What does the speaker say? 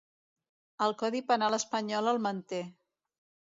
El codi penal espanyol el manté.